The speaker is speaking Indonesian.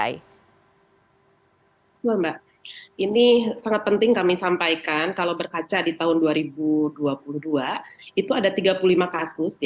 iya mbak ini sangat penting kami sampaikan kalau berkaca di tahun dua ribu dua puluh dua itu ada tiga puluh lima kasus